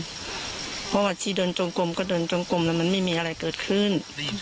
เพราะว่าที่เดินจงกลมก็เดินจงกลมแล้วมันไม่มีอะไรเกิดขึ้น